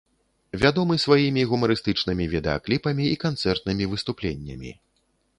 Вядомы сваімі гумарыстычнымі відэакліпамі і канцэртнымі выступленнямі.